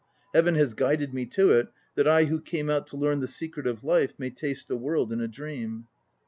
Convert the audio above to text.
Heaven has guided me to it, that I who came out to learn the secret of life may taste the world in a dream.